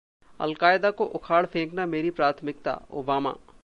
अल Qaeda को उखाड़ फेंकना मेरी प्राथमिकता: ओबामा